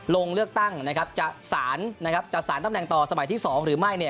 ลงเลือกตั้งนะครับจะสารจะสารตำแหน่งต่อสมัยที่๒หรือไม่